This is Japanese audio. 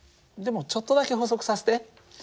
でもちょっとだけ補足させて。